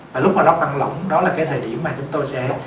và lúc mà nó tăng lỏng đó là cái thời điểm mà chúng tôi sẽ